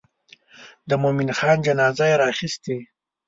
د مومن جان جنازه یې راخیستې.